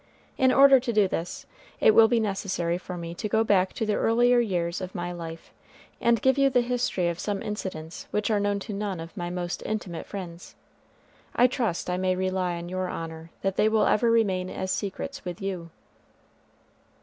In order to do this, it will be necessary for me to go back to the earlier years of my life, and give you the history of some incidents which are known to none of my most intimate friends. I trust I may rely on your honor that they will ever remain as secrets with you.